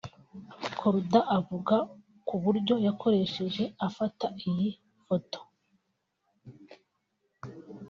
Korda avuga ku buryo yakoresheje afata iyi foto